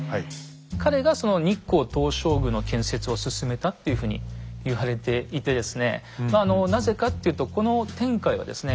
彼がその日光東照宮の建設を進めたっていうふうに言われていてですねなぜかっていうとこの天海はですね